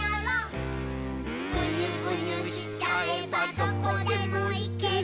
「ぐにゅぐにゅしちゃえばどこでも行ける」